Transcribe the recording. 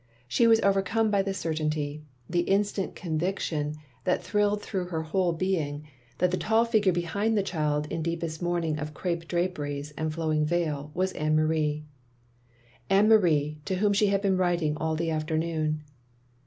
She was overcome by the certainty — ^the instant conviction that thrilled through her whole being — ^that the tall figure behind the child, in deepest motiming of crape draperies and flowing veil, was Anne Marie. Anne Marie to whom she had been writing aU the afternoon.